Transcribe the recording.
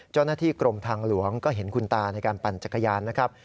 เจ้าหน้าที่กรมทางหลวงก็เห็นคุณตาในการปั่นจักรยานนะครับ